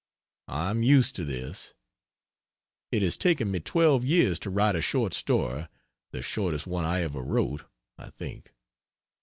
I am used to this. It has taken me twelve years to write a short story the shortest one I ever wrote, I think.